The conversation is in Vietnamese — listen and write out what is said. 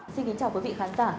xin kính chào quý vị khán giả